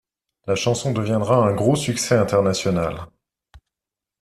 La chanson deviendra un gros succès international.